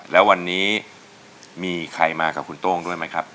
แล้ววันนี้มีใครมากับคุณโต้งด้วยไหมครับ